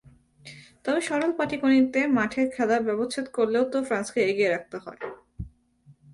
তবে সরল পাটিগণিতে মাঠের খেলার ব্যবচ্ছেদ করলেও তো ফ্রান্সকে এগিয়ে রাখতে হয়।